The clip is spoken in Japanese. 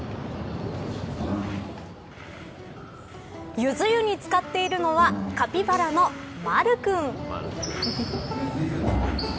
ゆず湯に漬かっているのはカピバラのまる君。